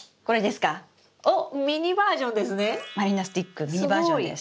満里奈スティックミニバージョンです。